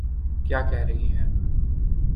کیا کہہ رہی ہیں۔